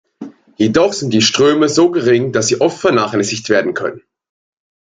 Jedoch sind die Ströme so gering, dass sie oft vernachlässigt werden können.